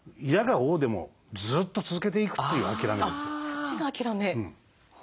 そっちの諦め。